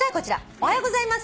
「おはようございます」